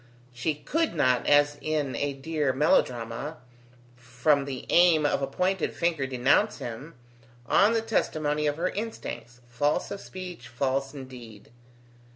She could not, as in a dear melodrama, from the aim of a pointed finger denounce him, on the testimony of her instincts, false of speech, false in deed.